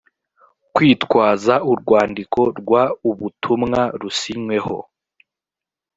kwitwaza urwandiko rw ubutumwa rusinyweho